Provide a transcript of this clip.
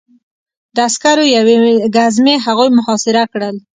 د عسکرو یوې ګزمې هغوی محاصره کړل